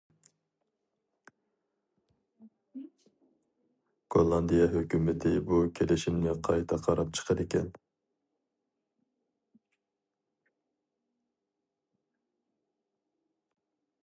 گوللاندىيە ھۆكۈمىتى بۇ كېلىشىمنى قايتا قاراپ چىقىدىكەن.